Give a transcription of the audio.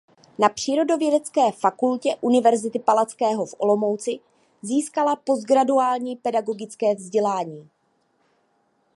Na Přírodovědecké fakultě Univerzity Palackého v Olomouci získala postgraduální pedagogické vzdělání.